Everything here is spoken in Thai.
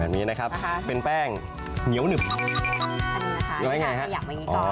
แบบนี้นะครับเป็นแป้งเหนียวนึบ